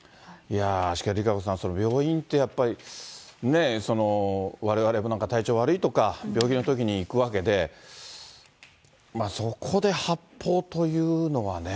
しかしＲＩＫＡＣＯさん、病院ってやっぱり、われわれも体調悪いとか、病気のときに行くわけで、そこで発砲というのはね。